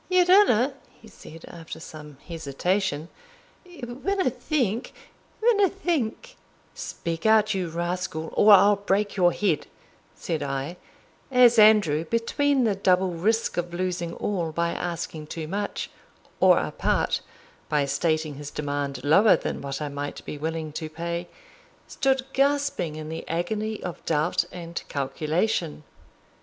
"Your honour," he said, after some hesitation, "wunna think wunna think" "Speak out, you rascal, or I'll break your head," said I, as Andrew, between the double risk of losing all by asking too much, or a part, by stating his demand lower than what I might be willing to pay, stood gasping in the agony of doubt and calculation.